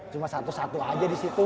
cuma satu satu aja di situ